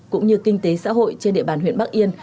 cũng như kinh tế xã hội trên địa bàn huyện bắc yên